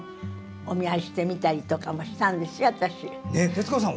徹子さん